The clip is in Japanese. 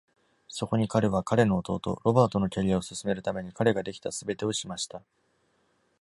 そこに彼は彼の弟、ロバートのキャリアを進めるために彼ができたすべてをしました。